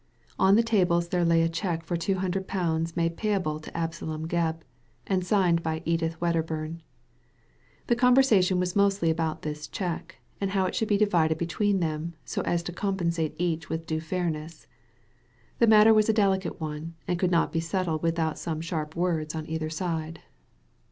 On the table there lay a cheque for two hundred pounds made payable to Absalom Gebb, and signed by Edith Wedderbum. The conversation was mostly about this cheque and how it should be divided between them so as to com* pensate each with due fairness. The matter was a delicate one, and could not be settled without some sharp words on either side.